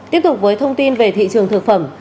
tiếp tục với thông tin về thị trường thực phẩm